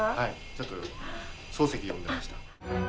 ちょっと漱石読んでました。